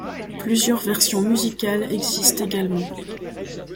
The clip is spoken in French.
Plusieurs versions musicales existent également.